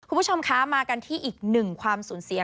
คุณผู้ชมคะมากันที่อีกหนึ่งความสูญเสีย